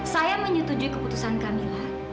saya menyetujui keputusan kamila